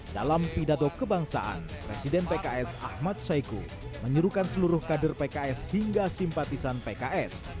dalam pidato kebangsaan presiden pks ahmad saiku menyerukan seluruh kader pks hingga simpatisan pks